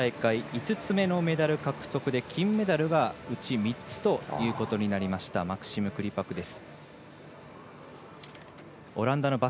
今大会５つ目のメダル獲得で金メダルうち３つということになったマクシム・クリパクです。